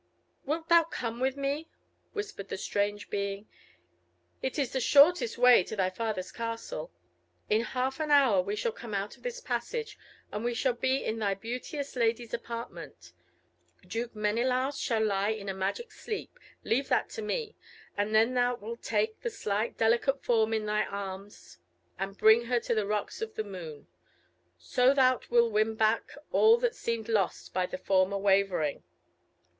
"Wilt thou come with me?" whispered the strange being; "it is the shortest way to thy father's castle. In half an hour we shall come out of this passage, and we shall be in thy beauteous lady's apartment. Duke Menelaus shall lie in a magic sleep, leave that to me, and then thou wilt take the slight, delicate form in thine arms, and bring her to the Rocks of the Moon; so thou wilt win back all that seemed lost by thy former wavering."